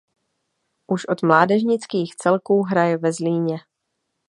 Už od mládežnických celků hraje ve Zlíně.